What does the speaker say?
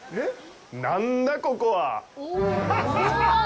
何だ、ここは！